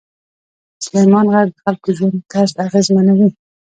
سلیمان غر د خلکو ژوند طرز اغېزمنوي.